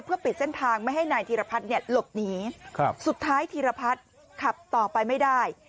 เพื่อปิดเส้นทางไม่ให้นายธีรพัฒน์เนี่ยหลบหนีสุดท้ายธีรพัฒน์ขับต่อไปไม่ได้